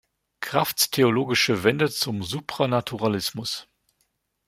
Kraffts theologische Wende zum Supranaturalismus.